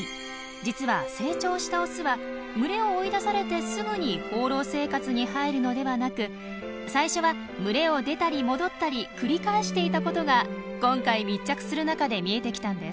実は成長したオスは群れを追い出されてすぐに放浪生活に入るのではなく最初は群れを出たり戻ったり繰り返していたことが今回密着する中で見えてきたんです。